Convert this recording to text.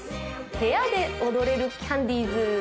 部屋で踊れるキャンディーズ